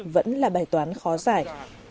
vẫn là bài toán khó giải